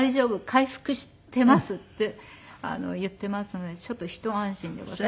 回復しています」って言っていますのでちょっと一安心でございます。